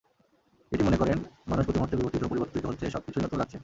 Katie মনে করেন, মানুষ প্রতিমুহূর্তে বিবর্তিত, পরিবর্তিত হচ্ছে, সবকিছুই নতুন লাগছে।